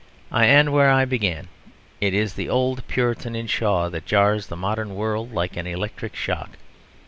I end where I began: it is the old Puritan in Shaw that jars the modern world like an electric shock.